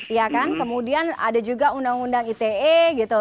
iya kan kemudian ada juga undang undang ite gitu